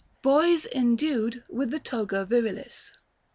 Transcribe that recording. BOYS ENDUED WITH THE TOGA VIKILIS.